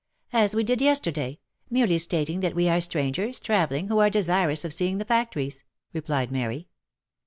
" As we did yesterday — merely stating that we are strangers, tra velling, who are desirous of seeing the factories," replied Mary.